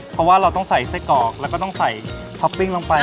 เพราะว่าเราต้องใส่ไส้กรอกแล้วก็ต้องใส่ท็อปปิ้งลงไป